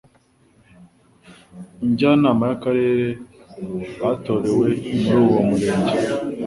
Njyanama y'akarere batorewe muri uwo murenge